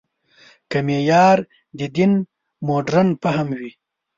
که معیار د دین مډرن فهم وي.